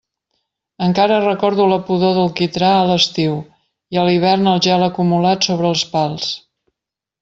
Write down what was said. Encara recordo la pudor del quitrà a l'estiu, i a l'hivern el gel acumulat sobre els pals.